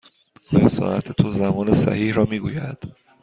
آیا ساعت تو زمان صحیح را می گوید؟